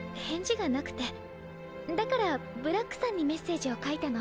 だからブラックさんにメッセージを書いたの。